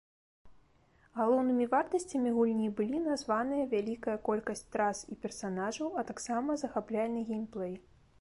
Галоўнымі вартасцямі гульні былі названыя вялікая колькасць трас і персанажаў, а таксама захапляльны геймплэй.